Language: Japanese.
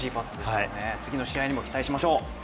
次の試合にも期待しましょう。